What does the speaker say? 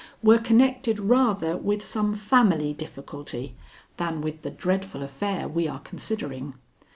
"were connected rather with some family difficulty than with the dreadful affair we are considering.